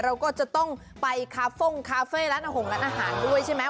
เราก็จะต้องไปคาเฟ่งคาเฟ่ร้านอาหารร้านอาหารด้วยใช่ไหม